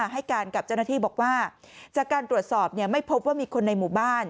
ให้การกับเจ้าหน้าที่บอกว่าจากการตรวจสอบไม่พบว่ามีคนในหมู่บ้าน